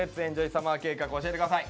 サマー計画」を教えて下さい。